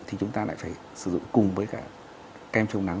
thì chúng ta lại phải sử dụng cùng với cả kem chống nắng